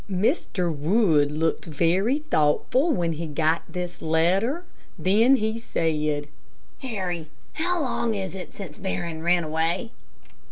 Mr. Wood looked very thoughtful when he got this letter, then he said, "Harry, how long is it since Barron ran away?"